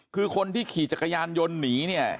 คือคนที่ขี่จักรยานยนต์หนีเนี่ย